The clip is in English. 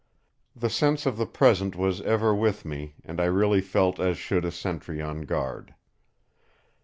The sense of the present was ever with me, and I really felt as should a sentry on guard.